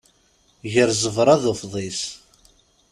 Gar ẓẓebra d ufḍis.